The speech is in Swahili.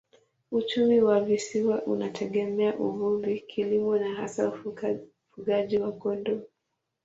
Uchumi wa visiwa unategemea uvuvi, kilimo na hasa ufugaji wa kondoo.